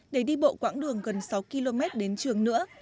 để đi bộ quãng đường gần sáu km đến trường nữa